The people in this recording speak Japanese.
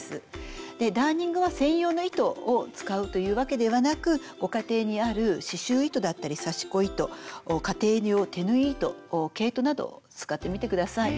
ダーニングは専用の糸を使うというわけではなくご家庭にある刺しゅう糸だったり刺し子糸家庭用手縫い糸毛糸など使ってみてください。